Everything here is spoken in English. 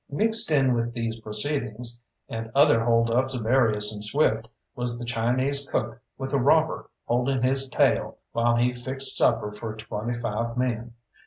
Mixed in with these proceedings, and other hold ups various and swift, was the Chinese cook with a robber holding his tail while he fixed supper for twenty five men.